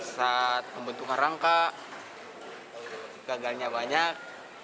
saat pembentukan rangka gagalnya banyak